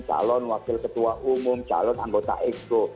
calon wakil ketua umum calon anggota exco